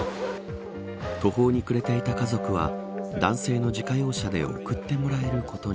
途方に暮れていた家族は男性の自家用車で送ってもらえることに。